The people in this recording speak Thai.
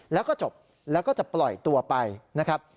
แล้วก็จบแล้วก็จะปล่อยตัวไปนะครับ